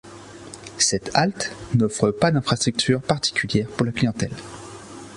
Cette halte n'offre pas d'infrastructures particulières pour la clientèle.